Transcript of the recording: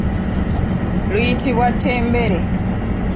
Luyitibwa ttembere.